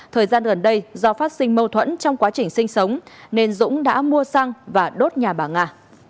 thời gian gần đây do phát sinh mâu thuẫn trong quá trình sinh sống nên dũng đã mua xăng và đốt nhà bà nga